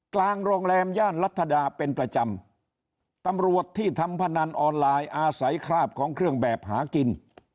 กลางโรงแรมย่านรัฐดาเป็นประจำตำรวจที่ทำพนันออนไลน์อาศัยคราบของเครื่องแบบหากิน